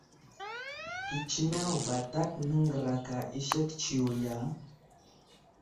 Kətsineŋ vatak nəŋgəraka i sek tsiyo ya ?